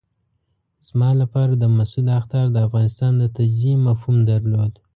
زما لپاره د مسعود اخطار د افغانستان د تجزیې مفهوم درلود.